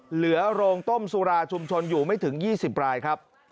เหลือโรงต้มสุราชุมชนอยู่ไม่ถึง๒๐รายครับ